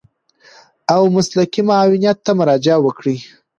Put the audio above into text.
او مسلکي معاونيت ته مراجعه وکړي.